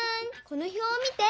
この表を見て！